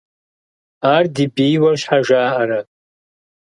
Ар ди бийуэ щхьэ жаӀэрэ?